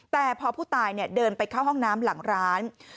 แต่พอผู้ตายเดินไปเข้าห้องน้ำหลังร้าน